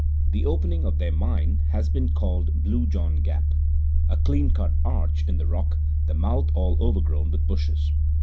The opening of their mine has been called Blue John Gap, a clean cut arch in the rock, the mouth all overgrown with bushes.